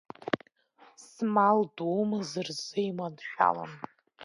Змал думз рзы иманшәалан.